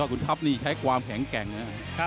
ยอดคุณทัพนี่ใช้ความแข็งแกร่งนะ